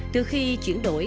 từ khi chuyển đổi